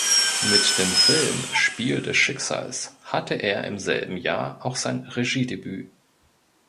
Mit dem Film "Spiel des Schicksals" hatte er im selben Jahr auch sein Regiedebüt.